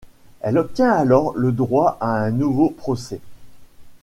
Elle obtient alors le droit à un nouveau procès.